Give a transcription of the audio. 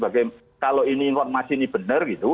bagaimana kalau ini informasi ini benar gitu